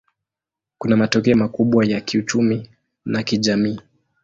Kuna matokeo makubwa ya kiuchumi na kijamii.